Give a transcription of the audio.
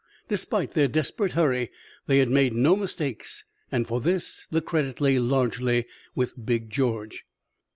Despite their desperate hurry they had made no mistakes, and for this the credit lay largely with Big George.